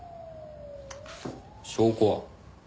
証拠は？